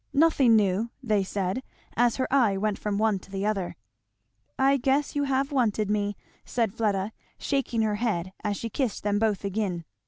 "Nothing new," they said, as her eye went from one to the other. "I guess you have wanted me!" said Fleda, shaking her head as she kissed them both again.